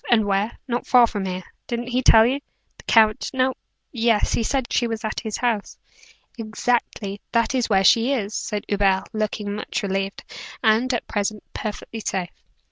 "And where?" "Not far from here. Didn't he tell you?" "The count? No yes; he said she was at his house." "Exactly. That is where she is," said Hubert, looking much relieved. "And, at present, perfectly safe."